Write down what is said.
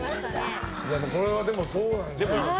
これはでも、そうなんじゃない。